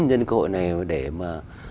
nhân cơ hội này để mà